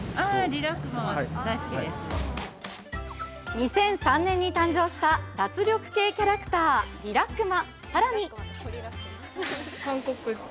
２００３年に誕生した脱力系キャラクターリラックマ。